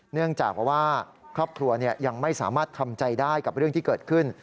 เนื่องจากว่าครอบครัวยังไม่สามารถทำใจได้กับเรื่องที่เกิดขึ้น